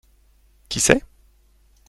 Qui sait ?